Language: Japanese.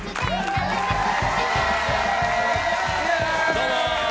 どうも！